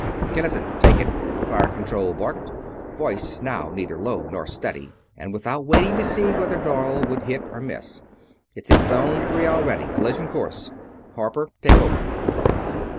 "Kinnison, take it!" Fire Control barked, voice now neither low nor steady, and without waiting to see whether Doyle would hit or miss. "It's in Zone Three already collision course!" "Harper! Take over!"